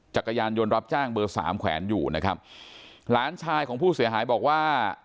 จักรยานยนต์รับจ้างเบอร์สามแขวนอยู่นะครับหลานชายของผู้เสียหายบอกว่า